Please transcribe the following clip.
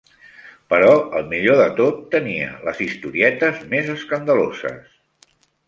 Però el millor de tot, tenia les historietes més escandaloses.